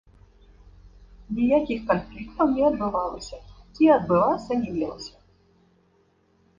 Ніякіх канфліктаў не адбывалася і адбывацца не мелася.